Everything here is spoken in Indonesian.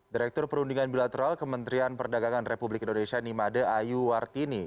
direktur perundingan bilateral kementerian perdagangan republik indonesia nimade ayuwartini